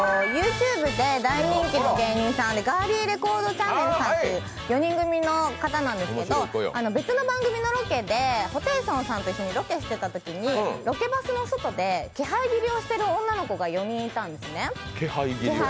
ＹｏｕＴｕｂｅで大人気の芸人でガーリィレコードチャンネルさんという４人組の方なんですけど別の番組のロケでホテイソンさんと一緒にロケしているときにロケバスの外で気配斬りをしている女の子がいたんですね。